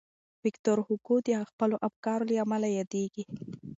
ویکټور هوګو د خپلو افکارو له امله یادېږي.